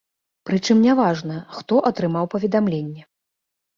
Прычым няважна, хто атрымаў паведамленне.